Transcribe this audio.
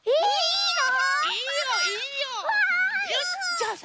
よしじゃあさ